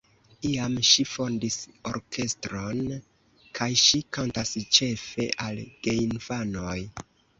Iam ŝi fondis orkestron kaj ŝi kantas ĉefe al geinfanoj.